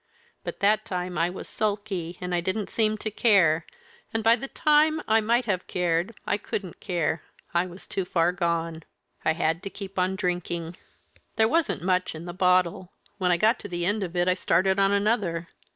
But that time I was that sulky I didn't seem to care, and by the time I might have cared I couldn't care I was too far gone. I had to keep on drinking. There wasn't much in the bottle; when I got to the end of it I started on another.